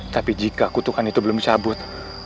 tapi jika kutukan itu belum dicabut